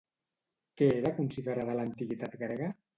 Què era considerada a l'antiguitat grega?